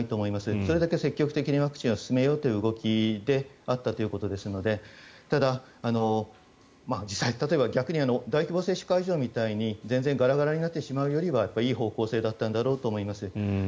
それだけ積極的にワクチンを進めようという動きであったということですのでただ、実際、例えば大規模接種会場みたいに全然ガラガラになってしまうよりはいい方向性だったんだと思います。